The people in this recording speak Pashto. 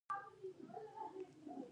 څه ډول احتیاط وکړم؟